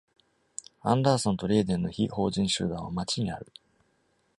Anderson と Leyden の非法人集団は町にある。